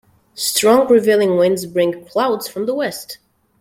Strong prevailing winds bring clouds from the west.